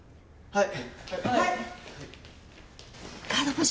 はい！